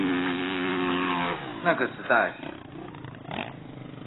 那個時代